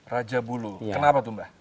rajabuluh kenapa tuh mbah